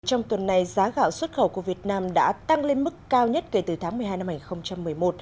trong tuần này giá gạo xuất khẩu của việt nam đã tăng lên mức cao nhất kể từ tháng một mươi hai năm hai nghìn một mươi một